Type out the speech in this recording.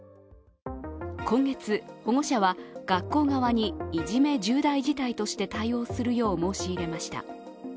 今月、保護者は学校側に、いじめ重大事態として対応するよう申し入れました。